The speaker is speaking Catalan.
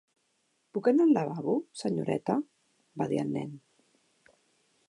"Puc anar al lavabo, senyoreta?" va dir el nen.